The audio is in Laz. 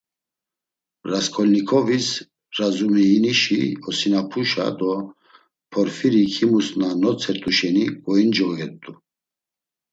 Rasǩolnikovis, Razumihinişi osinapuşa do Porfirik himus na notzert̆u şeni goincogert̆u.